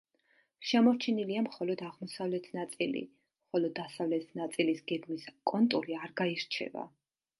შემორჩენილია მხოლოდ აღმოსავლეთ ნაწილი, ხოლო დასავლეთ ნაწილის გეგმის კონტური არ გაირჩევა.